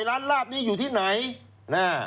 ร้านลาบนี้อยู่ที่ไหน